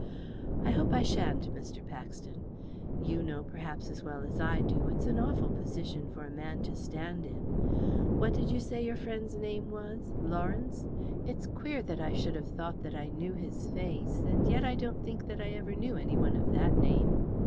"I hope I sha'n't, Mr. Paxton. You know, perhaps as well as I do, it's an awful position for a man to stand in. What did you say your friend's name was Lawrence? It's queer that I should have thought that I knew his face, and yet I don't think that I ever knew any one of that name.